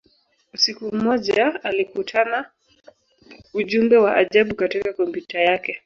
Usiku mmoja, alikutana ujumbe wa ajabu katika kompyuta yake.